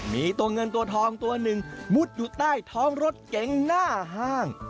มีตัวเงินตัวทองตัวหนึ่งมุดอยู่ใต้ท้องรถเก๋งหน้าห้าง